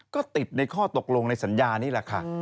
ก็ติดในข้อตกลงในสัญญานี่แหละค่ะ